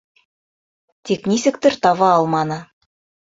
Тик нисектер таба алманы.